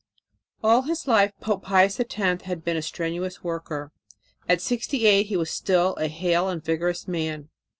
All his life Pope Pius X had been a strenuous worker. At sixty eight he was still a hale and vigorous man.